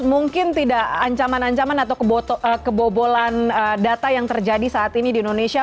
mungkin tidak ancaman ancaman atau kebobolan data yang terjadi saat ini di indonesia